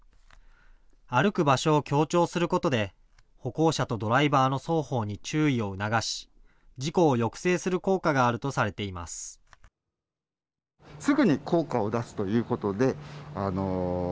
歩く場所を強調することで歩行者とドライバーの双方に注意を促し事故を抑制する効果があるとされています。